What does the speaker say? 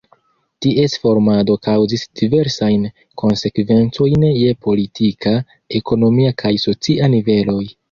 Ties formado kaŭzis diversajn konsekvencojn je politika, ekonomia kaj socia niveloj.